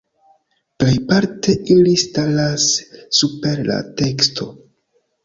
Plejparte ili staras super la teksto.